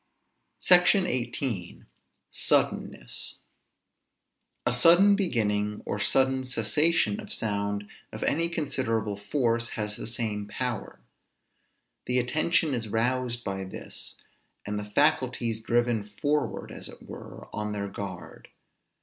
SECTION XVIII. SUDDENNESS. A sudden beginning, or sudden cessation of sound of any considerable force, has the same power. The attention is roused by this; and the faculties driven forward, as it were, on their guard.